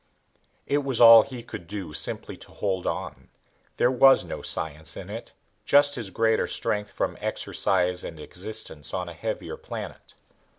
It was all he could do simply to hold on. There was no science in it, just his greater strength from exercise and existence on a heavier planet.